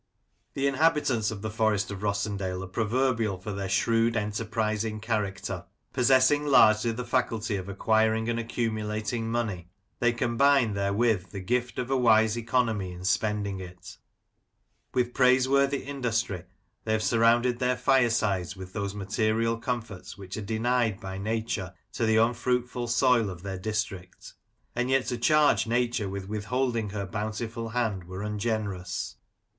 The inhabitants of the Forest of Rossendale are pro verbial for their shrewd, enterprising character. Possessing largely the faculty of acquiring and accumulating money, they combine therewith the gift of a wise economy in spending it With praiseworthy industry they have sur rounded their firesides with those material comforts which are denied by Nature to the unfruitful soil of their district. And yet to charge Nature with withholding her bountiful hand were ungenerous.